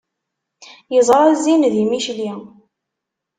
Yeẓra zzin di Micli.